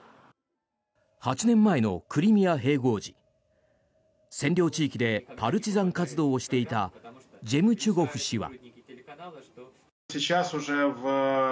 ８年前のクリミア併合時占領地域でパルチザン活動をしていたジェムチュゴフ氏は。